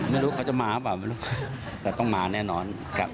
ไม่รู้เขาจะมาหรือเปล่าแต่ต้องมาแน่นอน